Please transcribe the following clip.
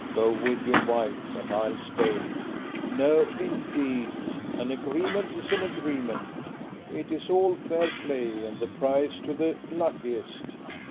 Go with your wife, and I'll stay." "No, indeed! An agreement is an agreement. It's all fair play, and the prize to the luckiest."